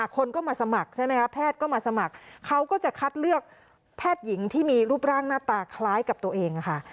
คนก็มาสมัครใช่ไหมคะแพทย์ก็มาสมัครเขาก็จะคัดเลือกแพทย์หญิงที่มีรูปร่างหน้าตาคล้ายกับตัวเองค่ะ